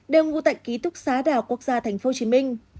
đều ngụ tại ký thúc xá đảo quốc gia tp hcm